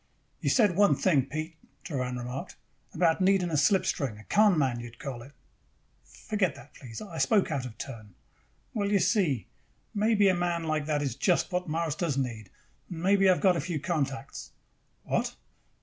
"You said one thing, Pete," Doran remarked. "About needing a slipstring. A con man, you would call it." "Forget that. Please. I spoke out of turn." "Well, you see, maybe a man like that is just what Mars does need. And maybe I have got a few contacts." "What?"